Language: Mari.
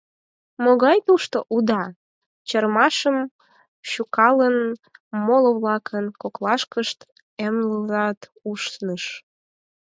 — Могай тушто «уда»? — чарымашым шӱкалын, моло-влакын коклашкышт эмлызат ушныш.